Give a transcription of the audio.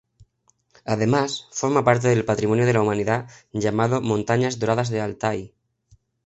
Además, forma parte del Patrimonio de la Humanidad llamado "Montañas Doradas de Altái".